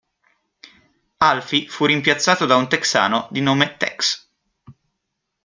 Alfie fu rimpiazzato da un texano di nome "Tex".